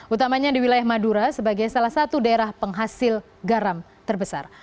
utamanya di wilayah madura sebagai salah satu daerah penghasil garam terbesar